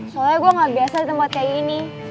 soalnya gue gak biasa di tempat kayak ini